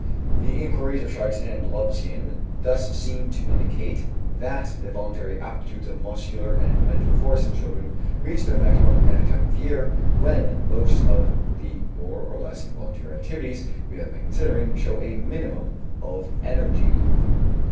The inquiries of Schuyten and Lobsien thus seem to indicate that the voluntary aptitudes of muscular and mental force in children reach their maximum at a time of the year when most of the more or less involuntary activities we have been considering show a minimum of energy.